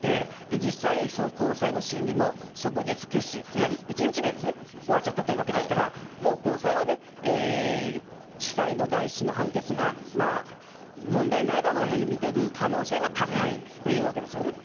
実際に高裁の審理も即日結審、つまり１日で終わっちゃったというわけですから高裁は、地裁の第１審の判決が問題ないだろうとみている可能性が高いというわけですよね。